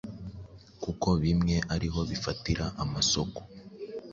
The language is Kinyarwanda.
kuko bimwe ari ho bifatira amasoko.